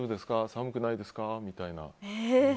寒くないですかみたいな。